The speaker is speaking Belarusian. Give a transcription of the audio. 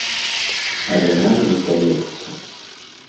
А яна не здаецца.